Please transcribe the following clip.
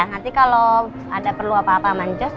nanti kalau ada perlu apa apa aman joss